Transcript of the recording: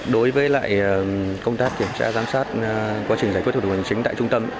đối với lại công tác kiểm tra giám sát quá trình giải quyết thủ tục hành chính tại trung tâm